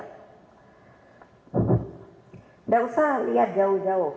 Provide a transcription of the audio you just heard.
tidak usah lihat jauh jauh